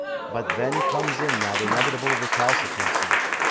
liut then comes in that inevitable recalcitrancy.